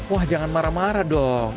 wah jangan marah marah dong